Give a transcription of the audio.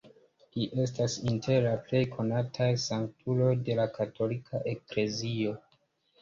Li estas inter la plej konataj sanktuloj de la katolika eklezio.